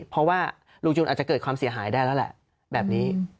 เพราะว่าลุงจูนอาจจะเกิดความเสียหายได้แล้วแหละแบบนี้